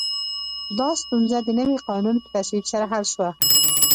دا ستونزه د نوي قانون په تصویب سره حل شوه.